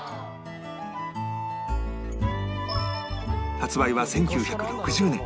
発売は１９６０年